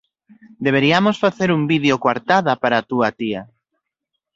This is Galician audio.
Deberiamos facer un vídeo coartada para a túa tía.